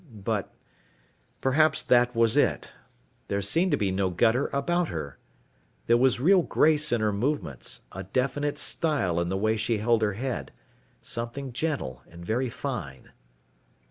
But perhaps that was it, there seemed to be no gutter about her. There was real grace in her movements, a definite style in the way she held her head, something gentle and very fine.